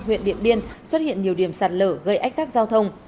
huyện điện biên xuất hiện nhiều điểm sạt lở gây ách tắc giao thông